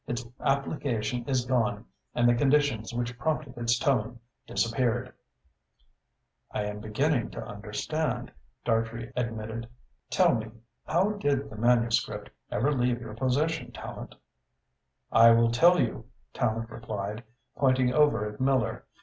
Its application is gone and the conditions which prompted its tone disappeared." "I am beginning to understand," Dartrey admitted. "Tell me, how did the manuscript ever leave your possession, Tallente?" "I will tell you," Tallente replied, pointing over at Miller.